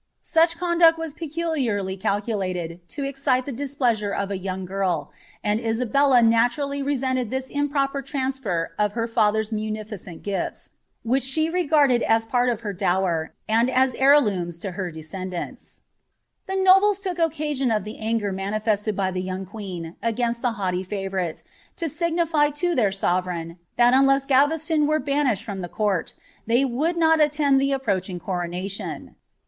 Such conduct was peculiarly calculated to excite •sure of a young girl, and Isabella naturally resented this im amsfer of her futher's munificent giAs, which she regarded as Bt dower, and as heir looms to her descendants, obles took occasion of the anger manifested by the young ainst the haughty fevourite, to signify to their sovereign, that iveston were banished from the court, they would not attend Niching coronation.